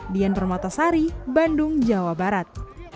dian permatasari bandung jawa barat